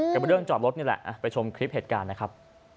เป็นเรื่องจอดรถนี่แหละไปชมคลิปเหตุการณ์นะครับ